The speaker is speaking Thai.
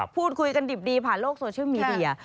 พูดคุยกันดิบดีผ่านโลกโซเชียลมีเดีย